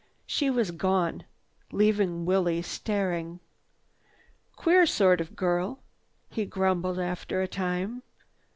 She was gone, leaving Willie staring. "Queer sort of girl!" he grumbled after a time.